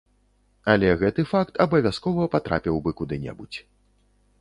Але гэты факт абавязкова патрапіў бы куды-небудзь.